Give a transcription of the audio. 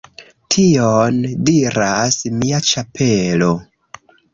Tion diras mia ĉapelo